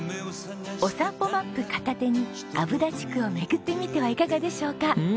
お散歩マップ片手に虻田地区を巡ってみてはいかがでしょうか？